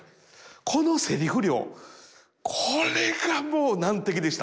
このセリフ量これがもう難敵でした。